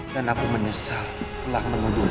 dan aku menyesal telah meneluh